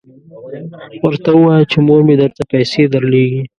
ورته ووایه چې مور مې درته پیسې درلیږي.